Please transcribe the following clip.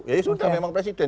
ya sudah memang presiden